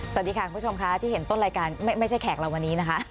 สวัสดีค่ะคุณผู้ชมค่ะที่เห็นต้นรายการไม่ใช่แขกเราวันนี้นะคะ